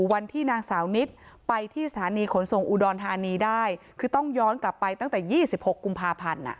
วันที่นางสาวนิดไปที่สถานีขนส่งอุดรธานีได้คือต้องย้อนกลับไปตั้งแต่๒๖กุมภาพันธ์